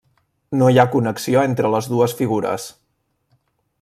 No hi ha connexió entre les dues figures.